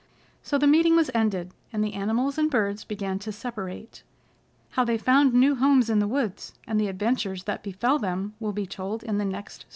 So the meeting was ended, and the animals and birds began to separate. How they found new homes in the woods, and the adventures that befell them will be told in the next story.